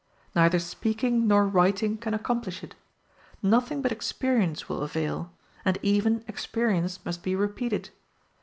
Neither speaking nor writing can accomplish it; nothing but experience will avail, and even experience must be repeated.